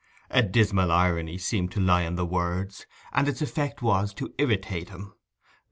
A dismal irony seemed to lie in the words, and its effect was to irritate him.